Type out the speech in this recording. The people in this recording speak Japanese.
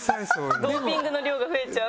ドーピングの量が増えちゃう。